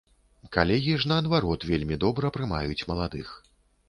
Калегі ж наадварот, вельмі добра прымаюць маладых.